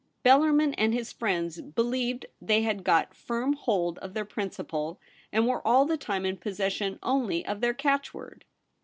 Bellarmin and his friends believed they had got firm hold of their principle, and were all the time in pos session only of their catch word.